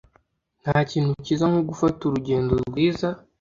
Ntakintu cyiza nko gufata urugendo rwiza.